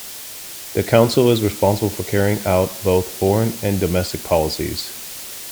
The Council is responsible for carrying out both foreign and domestic policies.